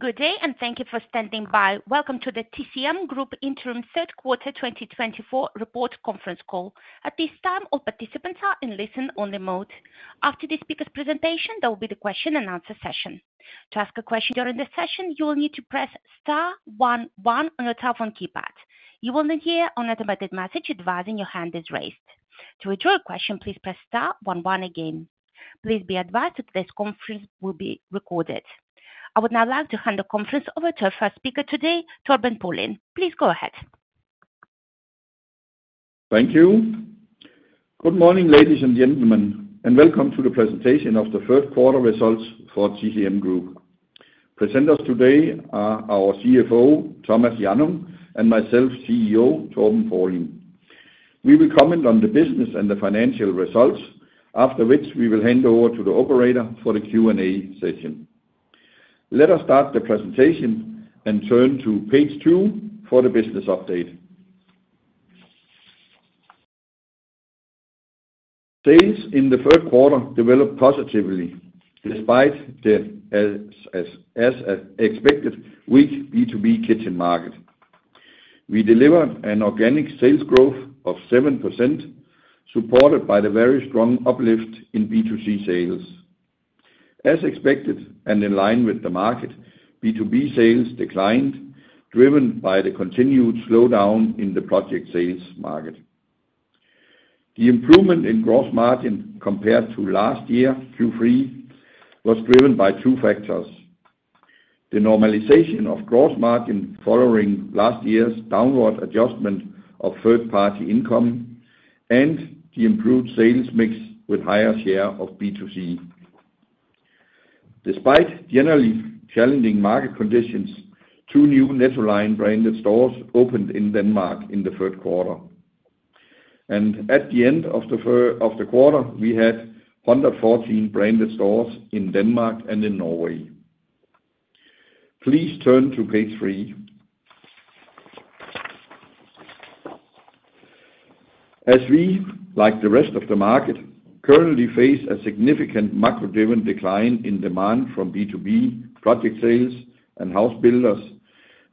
Good day, and thank you for standing by. Welcome to the TCM Group Interim Third Quarter 2024 Report Conference Call. At this time, all participants are in listen-only mode. After this speaker's presentation, there will be the question-and-answer session. To ask a question during the session, you will need to press star one one on your telephone keypad. You will then hear an automated message advising your hand is raised. To withdraw your question, please press star one one again. Please be advised that this conference will be recorded. I would now like to hand the conference over to our first speaker today, Torben Paulin. Please go ahead. Thank you. Good morning, ladies and gentlemen, and welcome to the presentation of the third quarter results for TCM Group. Presenters today are our CFO, Thomas Hjannung, and myself, CEO, Torben Paulin. We will comment on the business and the financial results, after which we will hand over to the operator for the Q&A session. Let us start the presentation and turn to page two for the business update. Sales in the third quarter developed positively despite the, as expected, weak B2B kitchen market. We delivered an organic sales growth of 7%, supported by the very strong uplift in B2C sales. As expected and in line with the market, B2B sales declined, driven by the continued slowdown in the project sales market. The improvement in gross margin compared to last year, Q3, was driven by two factors: the normalization of gross margin following last year's downward adjustment of third-party income and the improved sales mix with a higher share of B2C. Despite generally challenging market conditions, two new Nettoline branded stores opened in Denmark in the third quarter. At the end of the quarter, we had 114 branded stores in Denmark and in Norway. Please turn to page three. As we, like the rest of the market, currently face a significant macro-driven decline in demand from B2B project sales and house builders,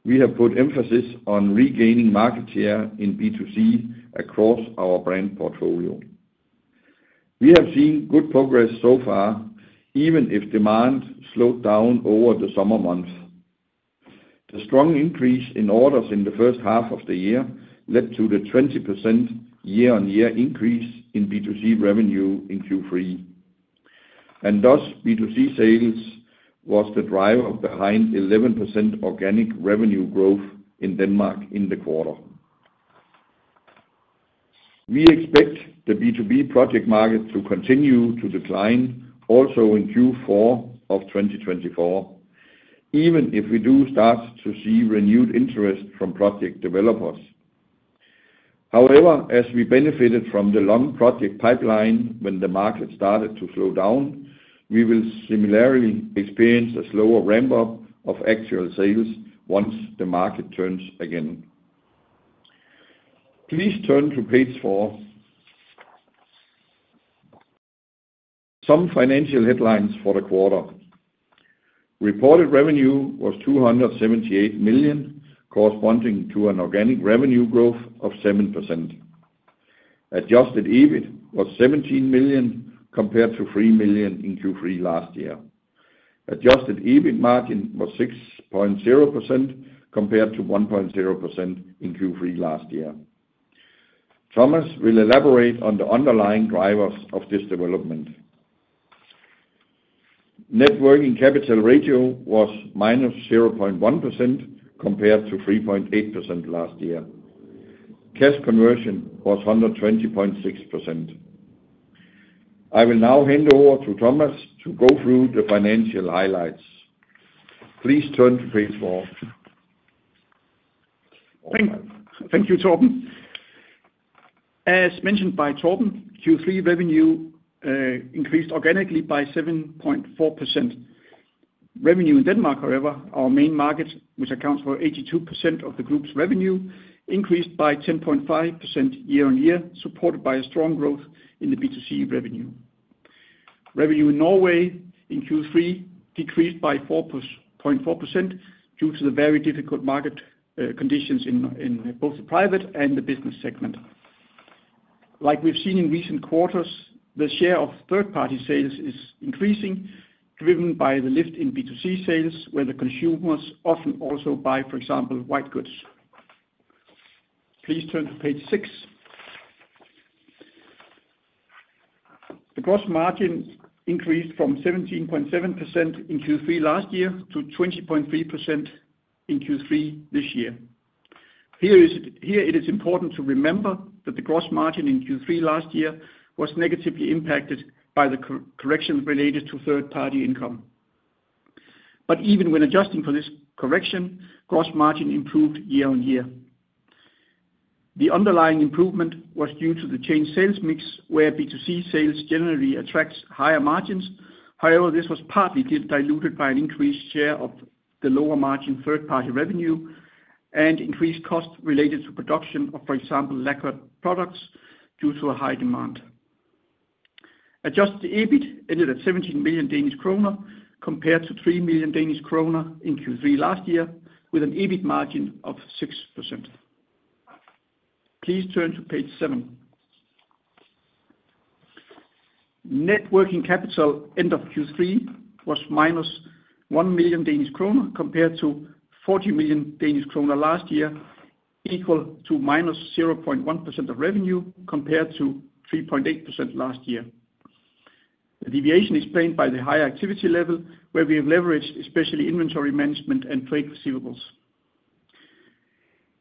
we have put emphasis on regaining market share in B2C across our brand portfolio. We have seen good progress so far, even if demand slowed down over the summer months. The strong increase in orders in the first half of the year led to the 20% year-on-year increase in B2C revenue in Q3, and thus, B2C sales was the driver behind 11% organic revenue growth in Denmark in the quarter. We expect the B2B project market to continue to decline also in Q4 of 2024, even if we do start to see renewed interest from project developers. However, as we benefited from the long project pipeline when the market started to slow down, we will similarly experience a slower ramp-up of actual sales once the market turns again. Please turn to page four. Some financial headlines for the quarter. Reported revenue was 278 million, corresponding to an organic revenue growth of 7%. Adjusted EBIT was 17 million compared to 3 million in Q3 last year. Adjusted EBIT margin was 6.0% compared to 1.0% in Q3 last year. Thomas will elaborate on the underlying drivers of this development. Net working capital ratio was -0.1% compared to 3.8% last year. Cash conversion was 120.6%. I will now hand over to Thomas to go through the financial highlights. Please turn to page four. Thank you, Torben. As mentioned by Torben, Q3 revenue increased organically by 7.4%. Revenue in Denmark, however, our main market, which accounts for 82% of the group's revenue, increased by 10.5% year-on-year, supported by a strong growth in the B2C revenue. Revenue in Norway in Q3 decreased by 4.4% due to the very difficult market conditions in both the private and the business segment. Like we've seen in recent quarters, the share of third-party sales is increasing, driven by the lift in B2C sales, where the consumers often also buy, for example, white goods. Please turn to page six. The gross margin increased from 17.7% in Q3 last year to 20.3% in Q3 this year. Here it is important to remember that the gross margin in Q3 last year was negatively impacted by the correction related to third-party income. But even when adjusting for this correction, gross margin improved year-on-year. The underlying improvement was due to the changed sales mix, where B2C sales generally attract higher margins. However, this was partly diluted by an increased share of the lower margin third-party revenue and increased costs related to production of, for example, lacquered products due to a high demand. Adjusted EBIT ended at 17 million Danish kroner compared to 3 million Danish kroner in Q3 last year, with an EBIT margin of 6%. Please turn to page seven. Net working capital end of Q3 was -1 million Danish kroner compared to 40 million Danish kroner last year, equal to-0.1% of revenue compared to 3.8% last year. The deviation is paid by the higher activity level, where we have leveraged especially inventory management and trade receivables.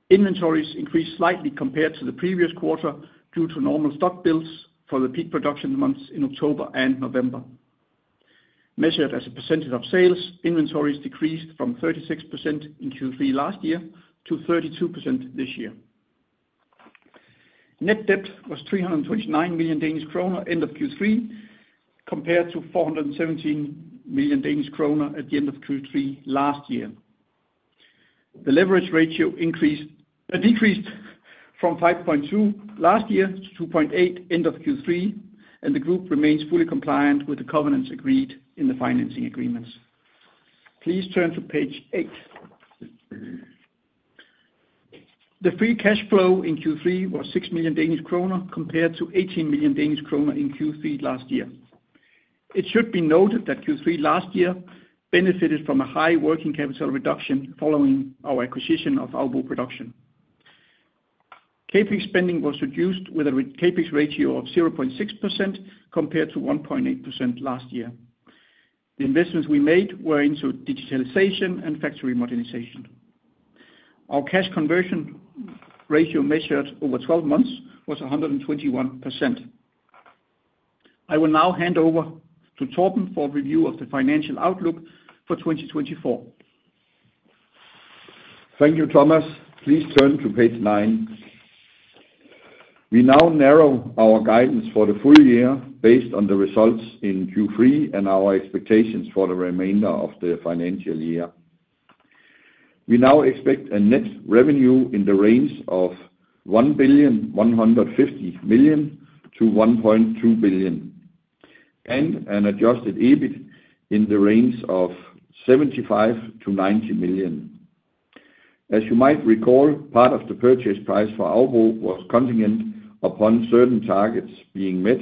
Inventories increased slightly compared to the previous quarter due to normal stock builds for the peak production months in October and November. Measured as a percentage of sales, inventories decreased from 36% in Q3 last year to 32% this year. Net debt was 329 million Danish kroner end of Q3 compared to 417 million Danish kroner at the end of Q3 last year. The leverage ratio decreased from 5.2 last year to 2.8 end of Q3, and the group remains fully compliant with the covenants agreed in the financing agreements. Please turn to page eight. The free cash flow in Q3 was 6 million Danish kroner compared to 18 million Danish kroner in Q3 last year. It should be noted that Q3 last year benefited from a high working capital reduction following our acquisition of Aubo Production. CapEx spending was reduced with a CapEx ratio of 0.6% compared to 1.8% last year. The investments we made were into digitization and factory modernization. Our cash conversion ratio measured over 12 months was 121%. I will now hand over to Torben for review of the financial outlook for 2024. Thank you, Thomas. Please turn to page nine. We now narrow our guidance for the full year based on the results in Q3 and our expectations for the remainder of the financial year. We now expect a net revenue in the range of 1.15 billion-1.2 billion, and an adjusted EBIT in the range of 75 million-90 million. As you might recall, part of the purchase price for Aubo was contingent upon certain targets being met,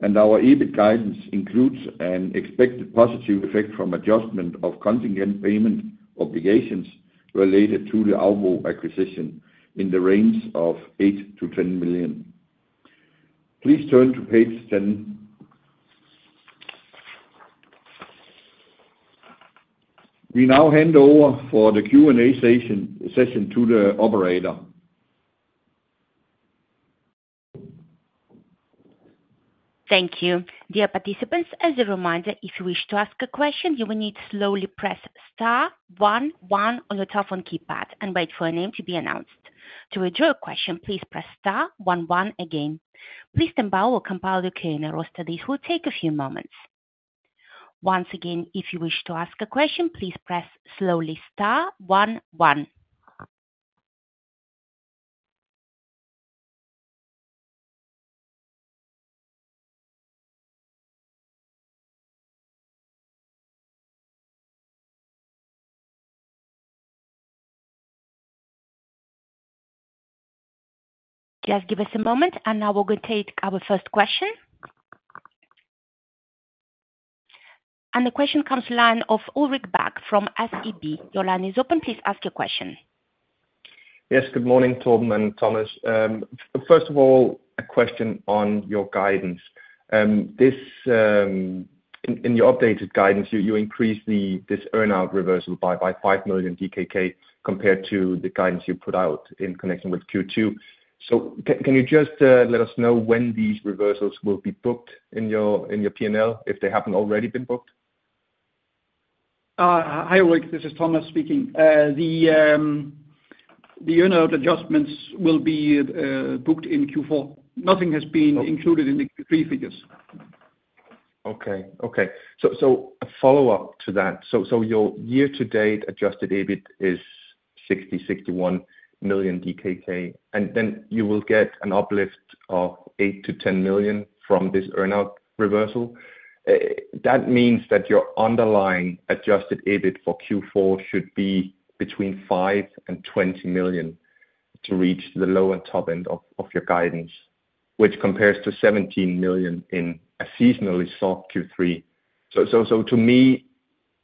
and our EBIT guidance includes an expected positive effect from adjustment of contingent payment obligations related to the Aubo acquisition in the range of 8 million-10 million. Please turn to page 10. We now hand over for the Q&A session to the operator. Thank you. Dear participants, as a reminder, if you wish to ask a question, you will need to slowly press star one one on your telephone keypad and wait for a name to be announced. To withdraw a question, please press star one one again. Please stand by while we'll compile the Q&A roster. This will take a few moments. Once again, if you wish to ask a question, please press slowly star one one. Just give us a moment, and now we're going to take our first question. And the question comes to the line of Ulrik Bak from SEB. Your line is open. Please ask your question. Yes, good morning, Torben and Thomas. First of all, a question on your guidance. In your updated guidance, you increased this earnout reversal by 5 million DKK compared to the guidance you put out in connection with Q2. So can you just let us know when these reversals will be booked in your P&L, if they haven't already been booked? Hi, Ulrik. This is Thomas speaking. The earnout adjustments will be booked in Q4. Nothing has been included in the Q3 figures. Okay. Okay. So a follow-up to that. So your year-to-date adjusted EBIT is 60 million-61 million DKK, and then you will get an uplift of 8 million-10 million from this earnout reversal. That means that your underlying adjusted EBIT for Q4 should be between 5 million and 20 million to reach the lower top end of your guidance, which compares to 17 million in a seasonally soft Q3. So to me,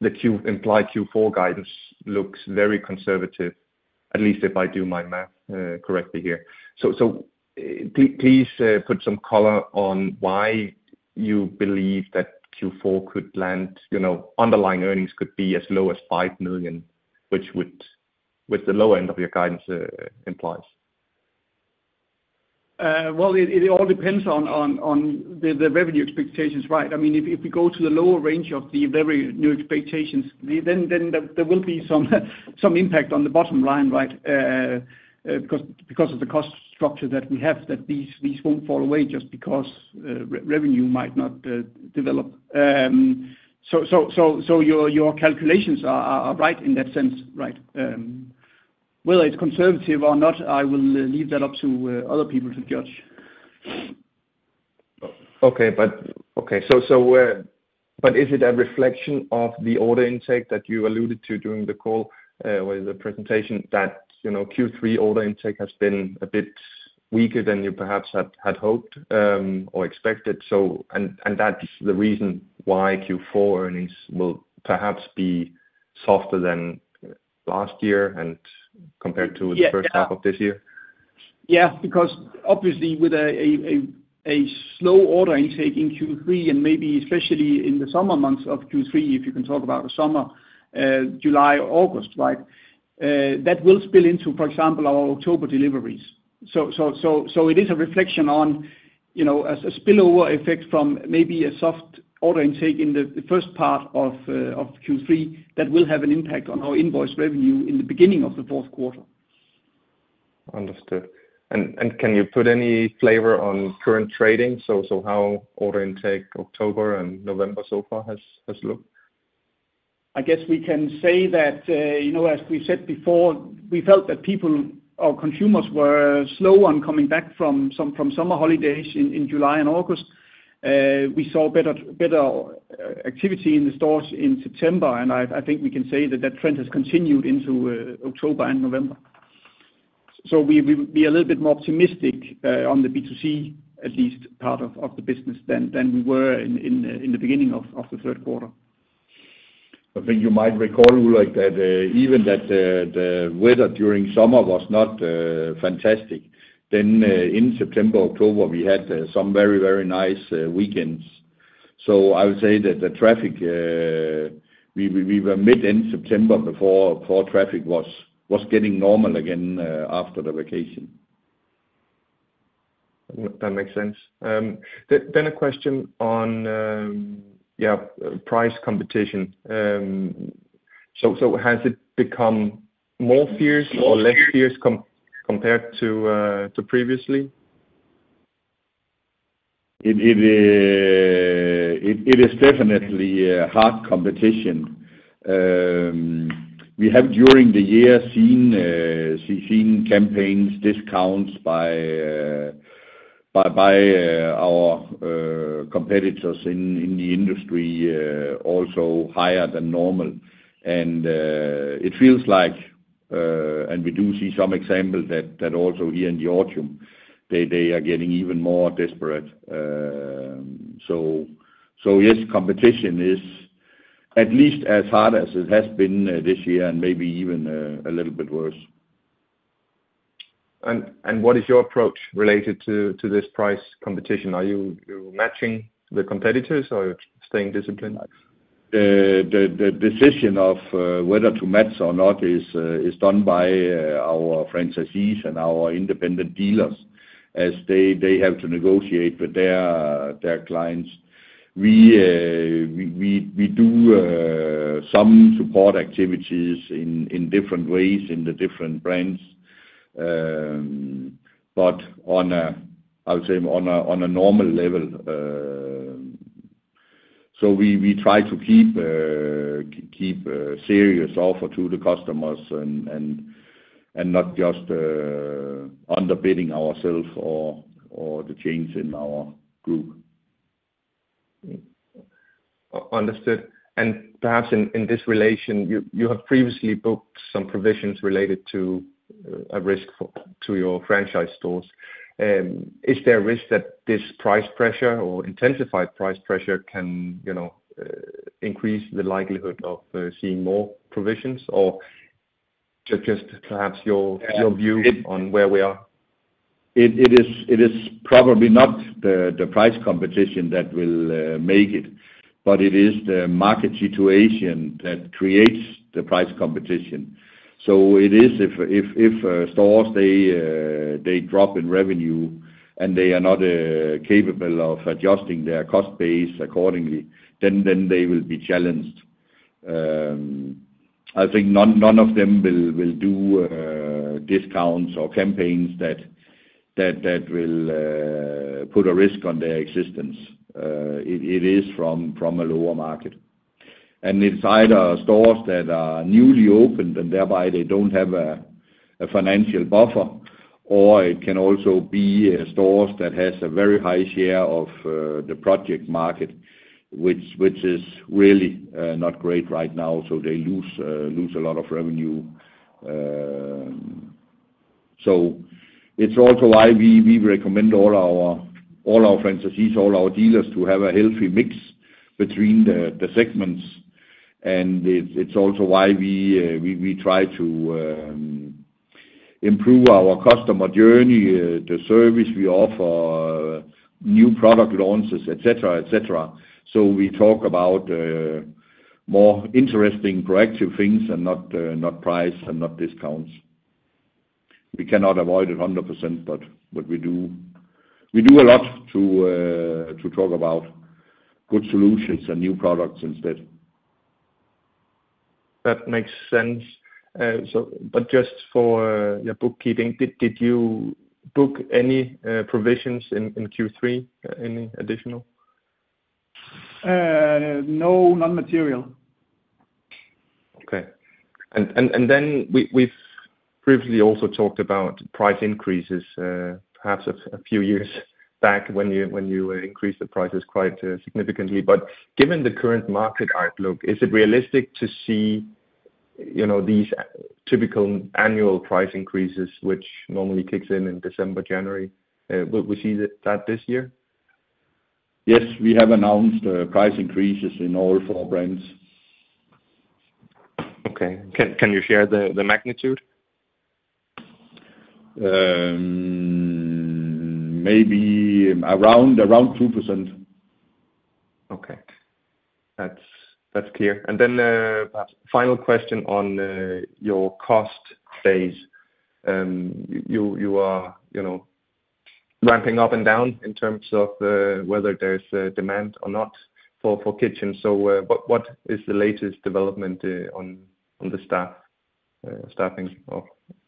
the implied Q4 guidance looks very conservative, at least if I do my math correctly here. So please put some color on why you believe that Q4 underlying earnings could be as low as 5 million, which the lower end of your guidance implies. It all depends on the revenue expectations, right? I mean, if we go to the lower range of the very new expectations, then there will be some impact on the bottom line, right, because of the cost structure that we have that these won't fall away just because revenue might not develop. So your calculations are right in that sense, right? Whether it's conservative or not, I will leave that up to other people to judge. Okay. Okay. So is it a reflection of the order intake that you alluded to during the call or the presentation that Q3 order intake has been a bit weaker than you perhaps had hoped or expected? And that's the reason why Q4 earnings will perhaps be softer than last year compared to the first half of this year? Yes, because obviously, with a slow order intake in Q3, and maybe especially in the summer months of Q3, if you can talk about the summer, July or August, right, that will spill into, for example, our October deliveries. So it is a reflection on a spillover effect from maybe a soft order intake in the first part of Q3 that will have an impact on our invoice revenue in the beginning of the fourth quarter. Understood. And can you put any flavor on current trading? So how order intake October and November so far has looked? I guess we can say that, as we said before, we felt that people, our consumers, were slow on coming back from summer holidays in July and August. We saw better activity in the stores in September, and I think we can say that that trend has continued into October and November. So we'll be a little bit more optimistic on the B2C, at least part of the business, than we were in the beginning of the third quarter. I think you might recall, Ulrik, that even the weather during summer was not fantastic. Then in September, October, we had some very, very nice weekends. So I would say that the traffic, we were mid-end September before traffic was getting normal again after the vacation. That makes sense. Then a question on, yeah, price competition. So has it become more fierce or less fierce compared to previously? It is definitely a hard competition. We have, during the year, seen campaigns, discounts by our competitors in the industry also higher than normal. And it feels like, and we do see some examples that also here in the autumn, they are getting even more desperate. So yes, competition is at least as hard as it has been this year and maybe even a little bit worse. What is your approach related to this price competition? Are you matching the competitors or staying disciplined? The decision of whether to match or not is done by our franchisees and our independent dealers as they have to negotiate with their clients. We do some support activities in different ways in the different brands, but I would say on a normal level. So we try to keep a serious offer to the customers and not just underbidding ourselves or the chains in our group. Understood. And perhaps in this relation, you have previously booked some provisions related to a risk to your franchise stores. Is there a risk that this price pressure or intensified price pressure can increase the likelihood of seeing more provisions, or just perhaps your view on where we are? It is probably not the price competition that will make it, but it is the market situation that creates the price competition. So it is if stores drop in revenue and they are not capable of adjusting their cost base accordingly, then they will be challenged. I think none of them will do discounts or campaigns that will put a risk on their existence. It is from a lower market, and it's either stores that are newly opened and thereby they don't have a financial buffer, or it can also be stores that have a very high share of the project market, which is really not great right now, so they lose a lot of revenue. So it's also why we recommend all our franchisees, all our dealers to have a healthy mix between the segments. And it's also why we try to improve our customer journey, the service we offer, new product launches, etc., etc. So we talk about more interesting proactive things and not price and not discounts. We cannot avoid it 100%, but we do a lot to talk about good solutions and new products instead. That makes sense. But just for your bookkeeping, did you book any provisions in Q3, any additional? No, non-material. Okay. And then we've previously also talked about price increases, perhaps a few years back when you increased the prices quite significantly. But given the current market outlook, is it realistic to see these typical annual price increases, which normally kicks in in December, January? Will we see that this year? Yes, we have announced price increases in all four brands. Okay. Can you share the magnitude? Maybe around 2%. Okay. That's clear, and then final question on your cost base. You are ramping up and down in terms of whether there's demand or not for kitchens, so what is the latest development on the staffing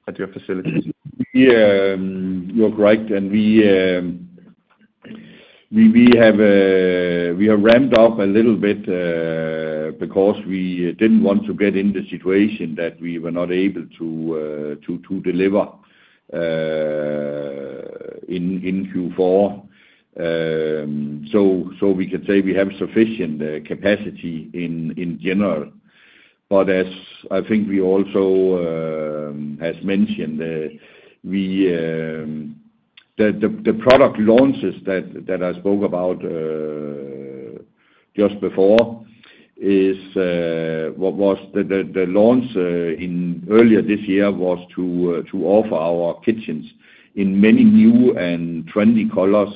at your facilities? Yeah, Ulrik, and we have ramped up a little bit because we didn't want to get in the situation that we were not able to deliver in Q4. So we can say we have sufficient capacity in general. But as I think we also have mentioned, the product launches that I spoke about just before was the launch earlier this year was to offer our kitchens in many new and trendy colors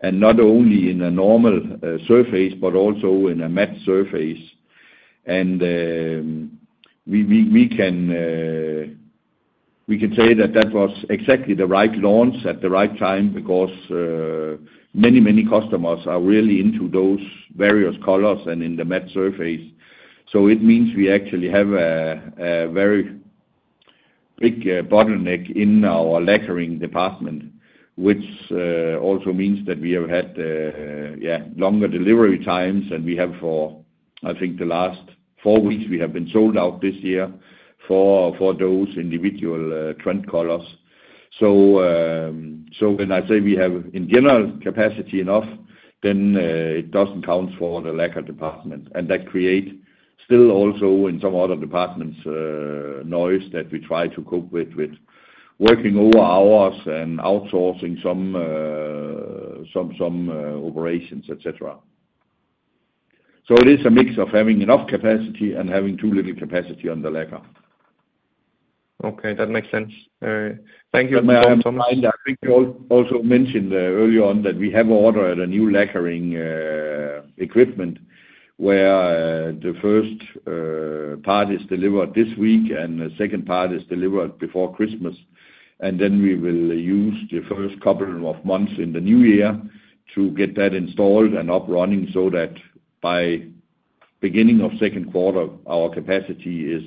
and not only in a normal surface, but also in a matte surface. And we can say that that was exactly the right launch at the right time because many, many customers are really into those various colors and in the matte surface. So it means we actually have a very big bottleneck in our lacquering department, which also means that we have had, yeah, longer delivery times. We have, for I think the last four weeks, been sold out this year for those individual trend colors. When I say we have, in general, capacity enough, then it doesn't count for the lacquer department. That creates still also in some other departments noise that we try to cope with working over hours and outsourcing some operations, etc. It is a mix of having enough capacity and having too little capacity on the lacquer. Okay. That makes sense. Thank you very much, Thomas. I think you also mentioned earlier on that we have ordered a new lacquering equipment where the first part is delivered this week and the second part is delivered before Christmas. Then we will use the first couple of months in the new year to get that installed and up and running so that by beginning of second quarter, our capacity is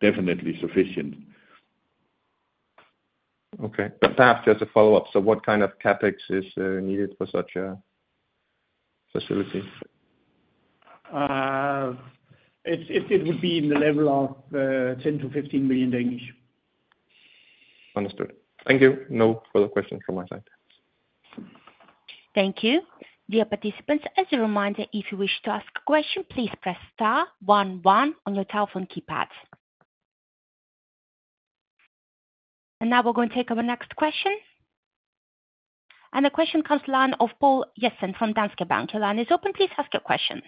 definitely sufficient. Okay. Perhaps just a follow-up. So what kind of CapEx is needed for such a facility? It would be in the level of 10 million-15 million. Understood. Thank you. No further questions from my side. Thank you. Dear participants, as a reminder, if you wish to ask a question, please press star one one on your telephone keypad. And now we're going to take our next question. And the question comes to the line of Poul Jessen from Danske Bank. Your line is open, please ask your question.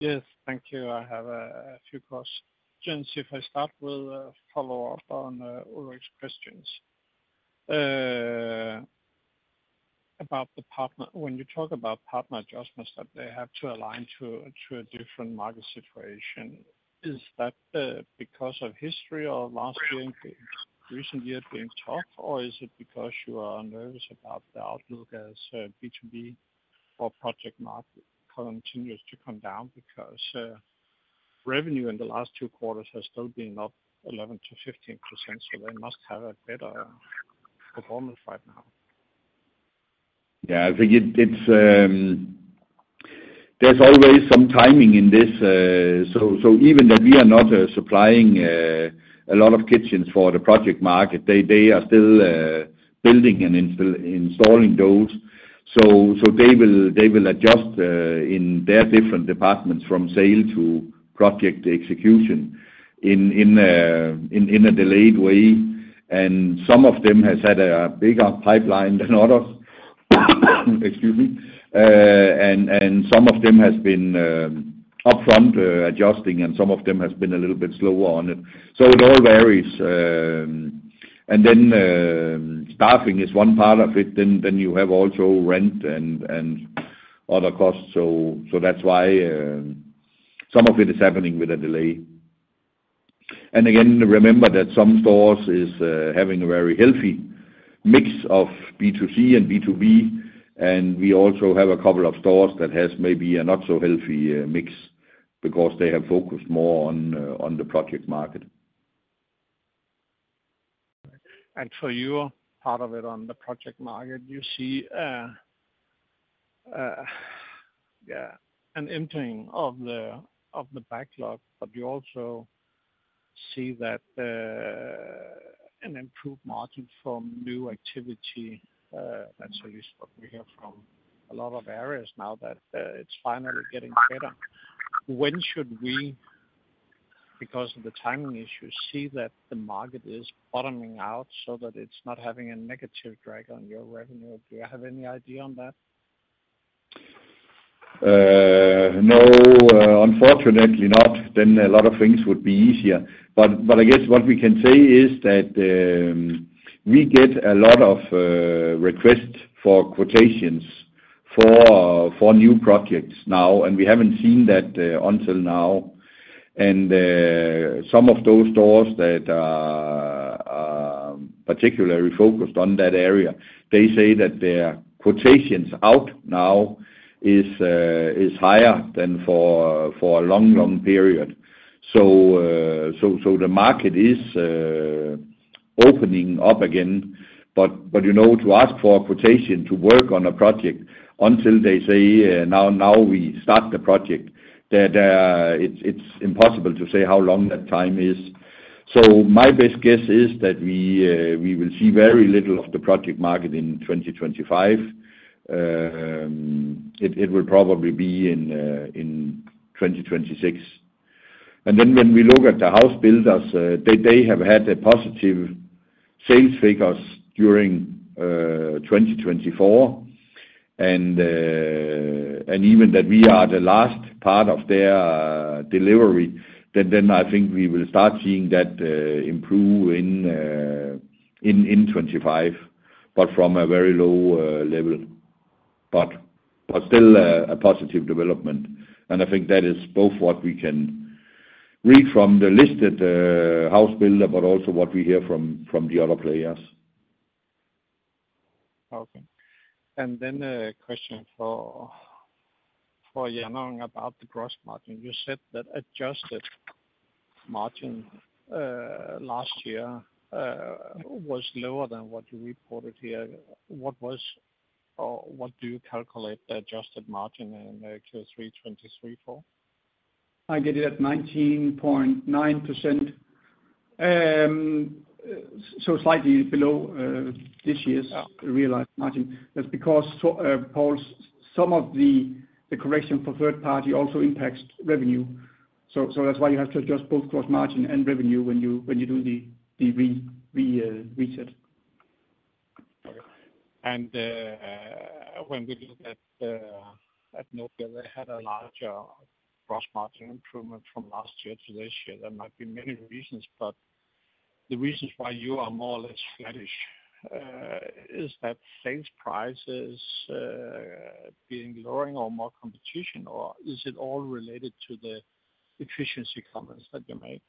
Yes. Thank you. I have a few questions. If I start with a follow-up on Ulrik's questions about the partner, when you talk about partner adjustments that they have to align to a different market situation, is that because of history or last year, recent year being tough, or is it because you are nervous about the outlook as B2B or project market continues to come down because revenue in the last two quarters has still been up 11%-15%? So they must have a better performance right now. Yeah. I think there's always some timing in this. So even that we are not supplying a lot of kitchens for the project market, they are still building and installing those. So they will adjust in their different departments from sale to project execution in a delayed way. And some of them have had a bigger pipeline than others. Excuse me. And some of them have been upfront adjusting, and some of them have been a little bit slower on it. So it all varies. And then staffing is one part of it. Then you have also rent and other costs. So that's why some of it is happening with a delay. And again, remember that some stores are having a very healthy mix of B2C and B2B. We also have a couple of stores that have maybe a not-so-healthy mix because they have focused more on the project market. And so you are part of it on the project market. You see, yeah, an emptying of the backlog, but you also see that an improved margin from new activity. That's at least what we hear from a lot of areas now that it's finally getting better. When should we, because of the timing issues, see that the market is bottoming out so that it's not having a negative drag on your revenue? Do you have any idea on that? No, unfortunately not. Then a lot of things would be easier. But I guess what we can say is that we get a lot of requests for quotations for new projects now, and we haven't seen that until now. And some of those stores that are particularly focused on that area, they say that their quotations out now are higher than for a long, long period. So the market is opening up again. But to ask for a quotation to work on a project until they say, "Now we start the project," it's impossible to say how long that time is. So my best guess is that we will see very little of the project market in 2025. It will probably be in 2026. And then when we look at the house builders, they have had positive sales figures during 2024. And even that we are the last part of their delivery, then I think we will start seeing that improve in 2025, but from a very low level, but still a positive development. And I think that is both what we can read from the listed house builder, but also what we hear from the other players. Okay. And then a question for Hjannung about the gross margin. You said that adjusted margin last year was lower than what you reported here. What do you calculate the adjusted margin in Q3 2023 for? I get it at 19.9%, so slightly below this year's realized margin. That's because some of the correction for third-party also impacts revenue. So that's why you have to adjust both gross margin and revenue when you do the reset. Okay. And when we look at Nobia, they had a larger gross margin improvement from last year to this year. There might be many reasons, but the reasons why you are more or less flattish is that sales prices being lowering or more competition, or is it all related to the efficiency comments that you made?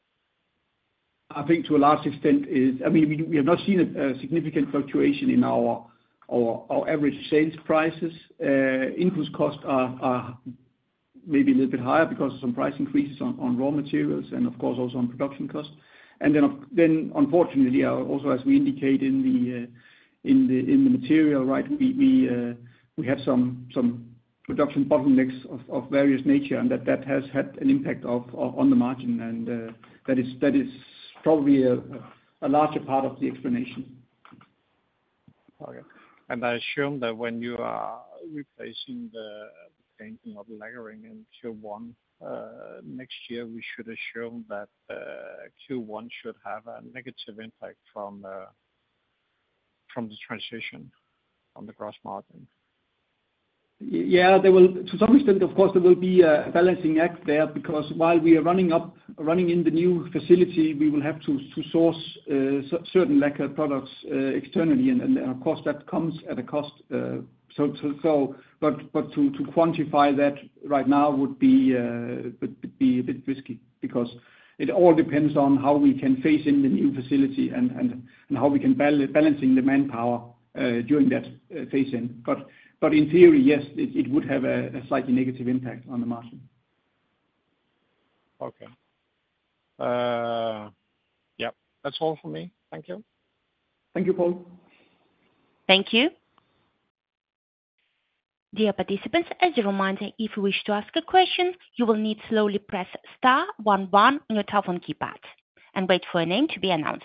I think to a large extent, I mean, we have not seen a significant fluctuation in our average sales prices. Input costs are maybe a little bit higher because of some price increases on raw materials and, of course, also on production costs. And then, unfortunately, also, as we indicate in the material, right, we have some production bottlenecks of various nature, and that has had an impact on the margin. And that is probably a larger part of the explanation. Okay, and I assume that when you are replacing the painting of lacquering in Q1 next year, we should assume that Q1 should have a negative impact from the transition on the gross margin. Yeah. To some extent, of course, there will be a balancing act there because while we are running in the new facility, we will have to source certain lacquer products externally. And, of course, that comes at a cost. But to quantify that right now would be a bit risky because it all depends on how we can phase in the new facility and how we can balance the manpower during that phase-in. But in theory, yes, it would have a slightly negative impact on the margin. Okay. Yeah. That's all for me. Thank you. Thank you, Poul. Thank you. Dear participants, as a reminder, if you wish to ask a question, you will need to slowly press star one one on your telephone keypad and wait for a name to be announced.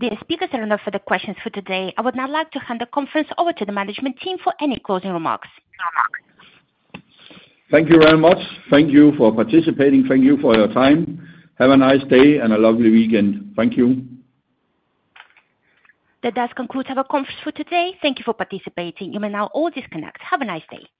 There are no further questions for today. I would now like to hand the conference over to the management team for any closing remarks. Thank you very much. Thank you for participating. Thank you for your time. Have a nice day and a lovely weekend. Thank you. That does conclude our conference for today. Thank you for participating. You may now all disconnect. Have a nice day.